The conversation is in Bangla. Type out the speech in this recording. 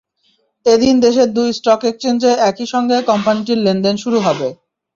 এদিন দেশের দুই স্টক এক্সচেঞ্জে একই সঙ্গে কোম্পানিটির লেনদেন শুরু হবে।